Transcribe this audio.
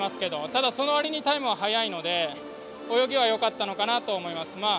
ただ、その割にタイムは速いので泳ぎはよかったのかなと思います。